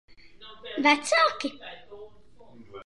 Vecāki?